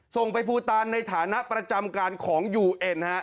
ส่งไปภูตานในฐานะประจำการของยูเอ็นฮะ